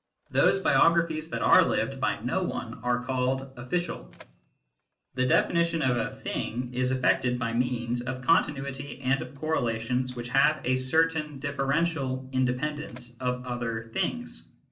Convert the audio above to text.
Those biographies that are lived by no one are called " official." The definition of a " thing " is effected by means of continuity and of correlations which have a certain differential independence of other " things."